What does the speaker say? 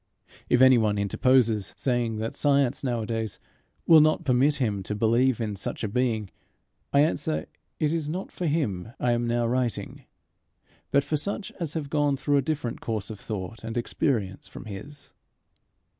If any one interposes, saying that science nowadays will not permit him to believe in such a being, I answer it is not for him I am now writing, but for such as have gone through a different course of thought and experience from his.